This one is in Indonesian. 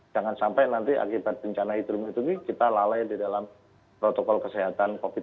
jangan sampai nanti akibat bencana hidrometeorologi kita lalai di dalam protokol kesehatan covid sembilan belas